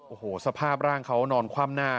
โอ้โหสภาพร่างเขานอนคว่ำหน้า